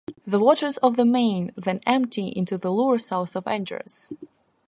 The waters of the Maine then empty into the Loire south of Angers.